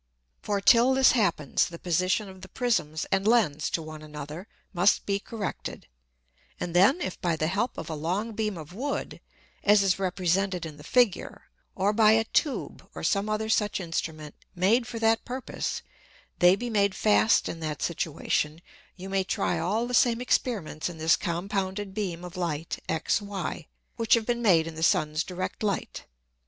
For till this happens, the Position of the Prisms and Lens to one another must be corrected; and then if by the help of a long beam of Wood, as is represented in the Figure, or by a Tube, or some other such Instrument, made for that Purpose, they be made fast in that Situation, you may try all the same Experiments in this compounded beam of Light XY, which have been made in the Sun's direct Light.